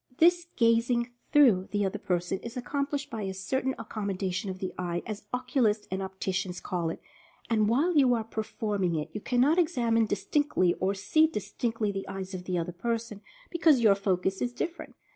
This "gazing through" the other person is accom plished by a certain "accommodation" of the eye, as oculists and opticians call it, and while you are per forming it you cannot examine distinctly, or "see" distinctly the eyes of the other person, because your focus is different.